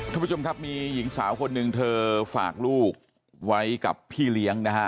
ท่านผู้ชมครับมีหญิงสาวคนหนึ่งเธอฝากลูกไว้กับพี่เลี้ยงนะฮะ